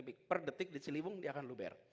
di atas seribu m tiga per detik di ciliwung dia akan luber